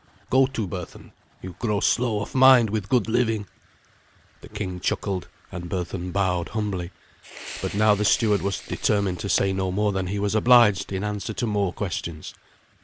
Go to, Berthun; you grow slow of mind with good living." The king chuckled, and Berthun bowed humbly; but now the steward was determined to say no more than he was obliged in answer to more questions.